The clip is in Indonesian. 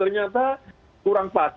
ternyata kurang pas